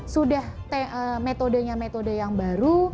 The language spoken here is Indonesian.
sudah metodenya metode yang baru